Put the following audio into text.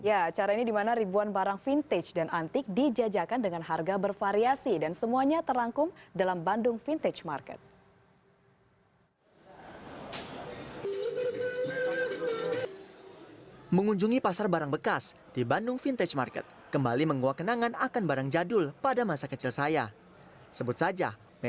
ya acara ini dimana ribuan barang vintage dan antik dijajakan dengan harga bervariasi